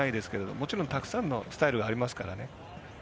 もちろん、たくさんのスタイルがありますからね。